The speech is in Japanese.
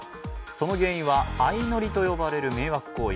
その原因は相乗りと呼ばれる迷惑行為。